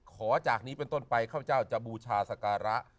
ขอจากนี้เป็นต้นไปข้าพเจ้าจะบูชาสการะ